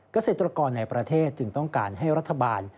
เกษตรกรในประเทศจึงต้องการให้รัฐบาล